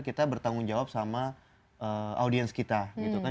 kita bertanggung jawab sama audiens kita gitu kan